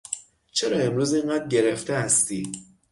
چرا امروز اینقدر گرفته هستی؟